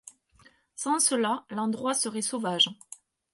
Sans cela l’endroit serait sauvage.